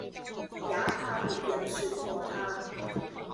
又怕別人説破他，